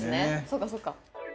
そうかそうか。